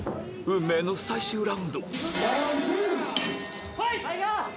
運命の最終ラウンドファイト！